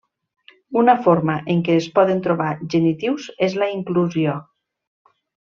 Una forma en què es poden trobar genitius és la inclusió.